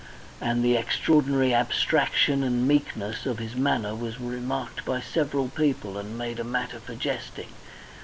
And the extraordinary abstraction and meekness of his manner was remarked by several people, and made a matter for jesting.